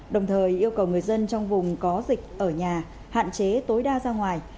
đồng thời yêu cầu người dân trong vùng có dịch ở nhà hạn chế tối đa ra ngoài